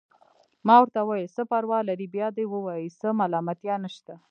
ما ورته وویل: څه پروا لري، بیا دې ووايي، څه ملامتیا نشته.